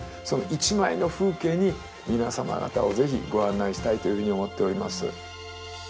その一枚の風景に皆様方を是非ご案内したいというふうに思っております。